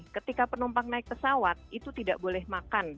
ketika penumpang naik pesawat itu tidak boleh makan